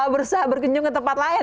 gak berusaha berkunjung ke tempat lain